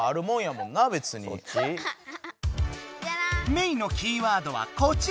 メイのキーワードはこちら！